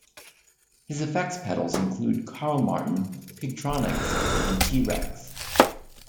His effects pedals include Carl Martin, Pigtronix and T-Rex.